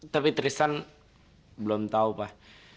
tapi tristan belum tahu pak